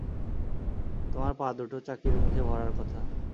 তোমার পা দুটো চাকির মুখে ভরার কথা?